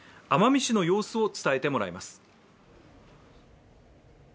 奄美市の様子を伝えてもらいます。